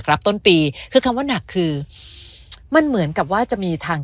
รับต้นปีคือคำว่าหนักคือมันเหมือนกับว่าจะมีทาง